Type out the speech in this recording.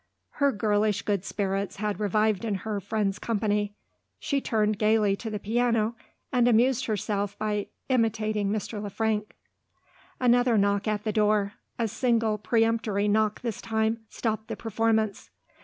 Her girlish good spirits had revived in her friend's company. She turned gaily to the piano, and amused herself by imitating Mr. Le Frank. Another knock at the door a single peremptory knock this time stopped the performance.